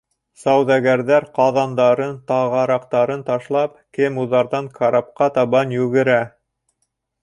Сауҙагәрҙәр, ҡаҙандарын, тағараҡтарын ташлап, кемуҙарҙан карапҡа табан йүгерә.